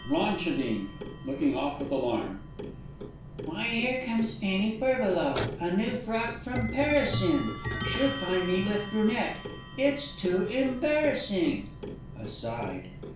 _ Bl. (looking off with alarm). Why, here comes Fanny Furbelow, a new frock from Paris in! She'll find me with Brunette it's too embarrassing! [_Aside.